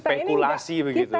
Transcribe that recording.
dan spekulasi begitu